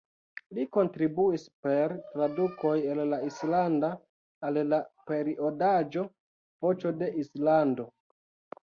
Li kontribuis per tradukoj el la islanda al la periodaĵo "Voĉo de Islando".